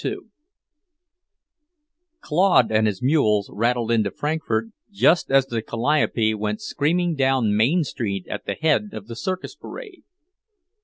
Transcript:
II Claude and his mules rattled into Frankfort just as the calliope went screaming down Main street at the head of the circus parade.